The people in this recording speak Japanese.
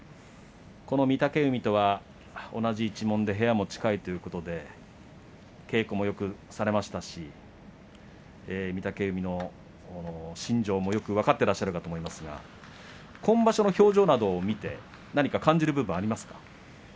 この御嶽海とは、同じ一門で部屋も近いということで稽古もよくされましたし御嶽海の心情もよく分かっていると思いますが今場所の表情などを見て、何か感じる部分はありますか？